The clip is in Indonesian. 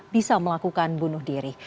bisa melakukan bunuh diri